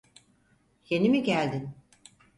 Yeni mi geldin?